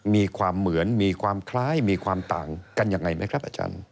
มีความเหมือนมีความคล้ายมีความต่างกันยังไงไหมครับอาจารย์